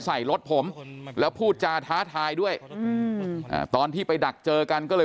ใส่รถผมแล้วพูดจาท้าทายด้วยอืมอ่าตอนที่ไปดักเจอกันก็เลย